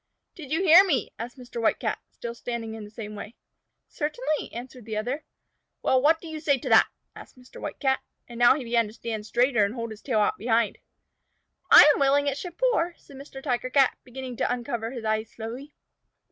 "Did you hear me?" asked Mr. White Cat, still standing in the same way. "Certainly," answered the other. "Well, what do you say to that?" asked Mr. White Cat, and now he began to stand straighter and hold his tail out behind. "I am willing it should pour," said Mr. Tiger Cat, beginning to uncover his eyes slowly.